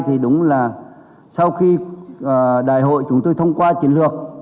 thì đúng là sau khi đại hội chúng tôi thông qua chiến lược